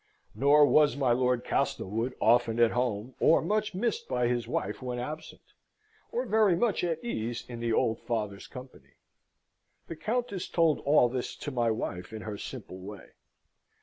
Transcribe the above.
Nor was my Lord Castlewood often at home, or much missed by his wife when absent, or very much at ease in the old father's company. The Countess told all this to my wife in her simple way.